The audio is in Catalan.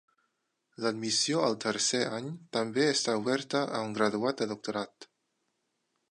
L'admissió al tercer any també està oberta a un graduat de doctorat.